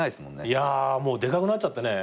いやもうでかくなっちゃってね。